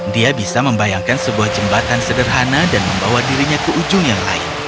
dia bisa membayangkan sebuah jembatan sederhana dan membawa dirinya ke ujung yang lain